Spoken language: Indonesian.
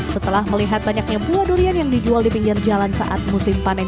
setelah melihat banyaknya buah durian yang dijual di pinggir jalan saat musim panen